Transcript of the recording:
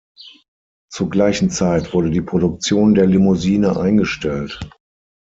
Zur gleichen Zeit wurde die Produktion der Limousine eingestellt.